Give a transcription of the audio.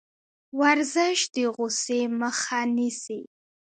ورزش د غوسې مخه نیسي.